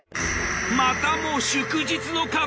またも祝日の壁！